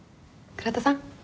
倉田さん？